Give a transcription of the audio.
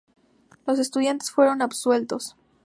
Los estudiantes fueron absueltos.